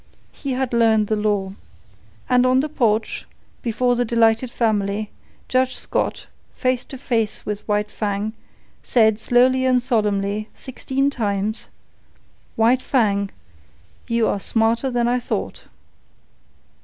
He had learned the law. And on the porch, before the delighted family, Judge Scott, face to face with White Fang, said slowly and solemnly, sixteen times, "White Fang, you are smarter than I thought."